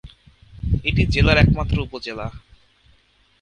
এটি জেলার একমাত্র উপজেলা।